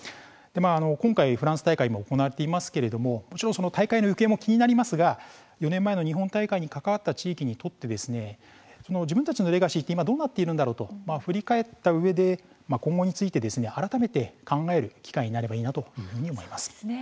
今回フランス大会が行われていますけれども大会の行方も気になりますが４年前の日本大会に関わった地域にとって自分たちのレガシーが今どうなっているのかと振り返ったうえで今後について改めて考える機会になればいいなと思います。